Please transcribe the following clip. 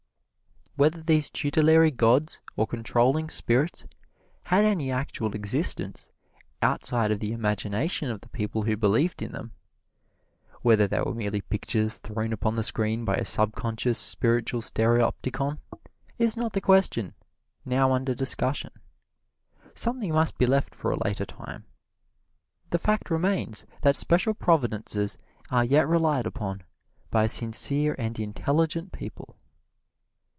Whether these tutelary gods or controlling spirits had any actual existence outside of the imagination of the people who believed in them whether they were merely pictures thrown upon the screen by a subconscious spiritual stereopticon is not the question now under discussion. Something must be left for a later time: the fact remains that special providences are yet relied upon by sincere and intelligent people.